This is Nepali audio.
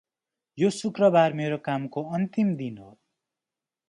यो शुक्रबार मेरो कामको अन्तिम दिन हो।